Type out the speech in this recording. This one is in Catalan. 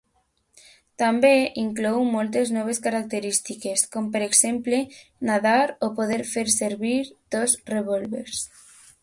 També inclou moltes noves característiques, com per exemple nadar o poder fer servir dos revòlvers.